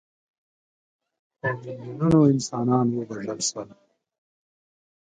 په میلیونونو انسانان ووژل شول.